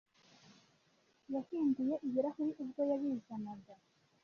Yahinduye ibirahuri ubwo yabizanaga.